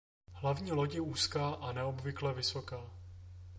Hlavní loď je úzká a neobvykle vysoká.